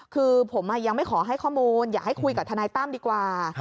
คือผมยังไม่ขอให้ข้อมูลอยากให้คุยกับทนายตั้มดีกว่า